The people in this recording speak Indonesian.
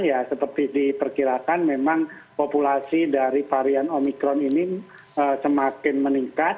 ya seperti diperkirakan memang populasi dari varian omikron ini semakin meningkat